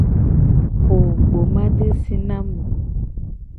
Po gbomadesi na mu.